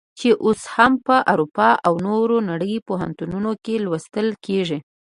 چې اوس هم په اروپا او نورې نړۍ پوهنتونونو کې لوستل کیږي.